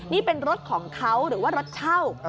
นี่เป็นรถของเขาหรือว่ารถเช่า